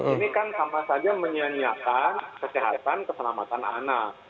ini kan sama saja menyiapkan kesehatan keselamatan anak